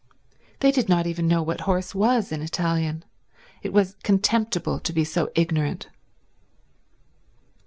They did not even know what horse was in Italian. It was contemptible to be so ignorant.